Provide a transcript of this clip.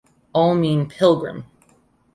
All mean "pilgrim".